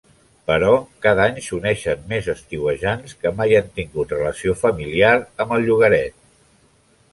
Però cada any s'uneixen més estiuejants que mai han tingut relació familiar amb el llogaret.